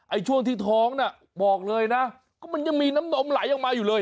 ช่วงที่ท้องน่ะบอกเลยนะก็มันยังมีน้ำนมไหลออกมาอยู่เลย